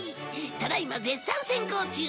ただ今絶賛選考中。